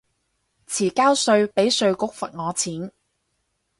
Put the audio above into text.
遲交稅被稅局罰我錢